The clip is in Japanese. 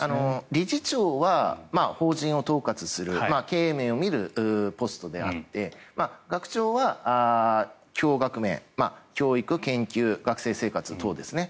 理事長は法人を統括する経営面を見るポストであって学長は教学面教育、研究、学生生活等ですね。